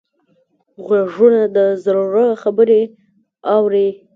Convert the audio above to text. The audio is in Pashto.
غوږونه د زړه خبرې اوري